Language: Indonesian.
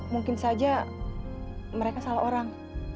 mungkin saja mereka salah orang